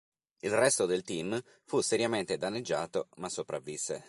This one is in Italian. Il resto del team fu seriamente danneggiato ma sopravvisse.